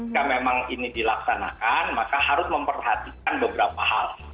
kalau memang ini dilaksanakan maka harus memperhatikan beberapa hal